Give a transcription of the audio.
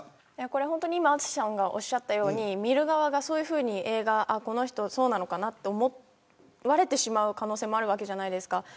本当に淳さんがおっしゃったように見る側がこの人そうなのかなと思われてしまう可能性もあるわけじゃないですか。